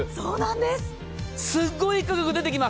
すごい価格で出てきます。